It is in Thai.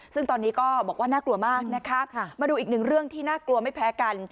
ซึ่งตอนนี้ก็บอกว่าน่ากลัวมากนะคะมาดูอีกหนึ่งเรื่องที่น่ากลัวไม่แพ้กัน